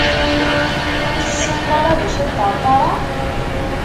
Ur tessineḍ ara d acu i d ṭerṭara?